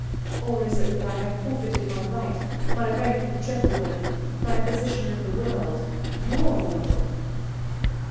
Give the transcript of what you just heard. Or is it that I have forfeited my right, my rank of gentlewoman, my position in the world, your world?"